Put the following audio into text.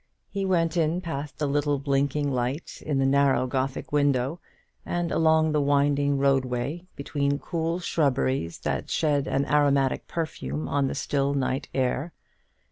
He went in past the little blinking light in the narrow Gothic window, and along the winding roadway between cool shrubberies that shed an aromatic perfume on the still night air.